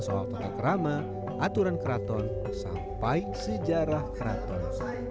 soal tokak rama aturan keraton sampai sejarah keraton